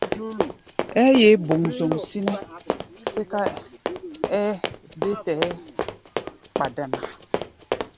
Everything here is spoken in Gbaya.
Ɛ́ɛ́ yeé boŋzoŋ sínɛ́ sɛ́kʼɛ́ɛ́ bé tɛɛ́ kpa dana.